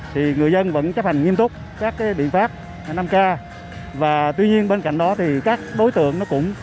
chúng ta vẫn chấp hành nghiêm túc các biện pháp năm k và tuy nhiên bên cạnh đó thì các đối tượng nó cũng